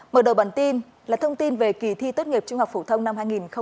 mở đầu bản tin là thông tin về kỳ thi tốt nghiệp trung học phổ thông năm hai nghìn hai mươi